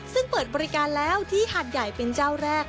ซึ่งเปิดบริการแล้วที่หาดใหญ่เป็นเจ้าแรก